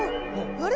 あれ？